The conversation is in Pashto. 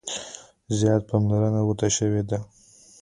زیاته پاملرنه ورته شوې ده.